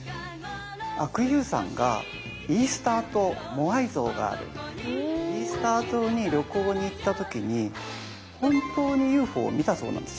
阿久悠さんがイースター島モアイ像があるイースター島に旅行に行った時に本当にＵＦＯを見たそうなんですよ。